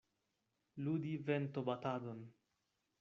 Ludi ventobatadon.